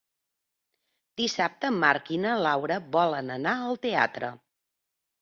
Dissabte en Marc i na Laura volen anar al teatre.